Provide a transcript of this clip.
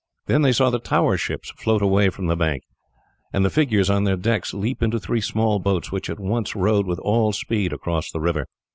Then they saw the tower ships float away from the bank, and the figures on their decks leap into three small boats, which at once rowed with all speed across the river.